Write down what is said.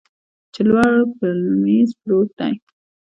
چې لوړ پر میز پروت دی